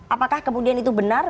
apakah kemudian itu benar